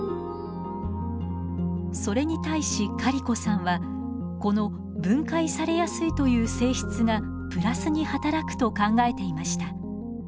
それに対しカリコさんはこの分解されやすいという性質がプラスに働くと考えていました。